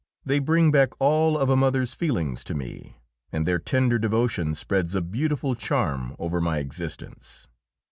They bring back all of a mother's feelings to me, and their tender devotion spreads a beautiful charm over my existence.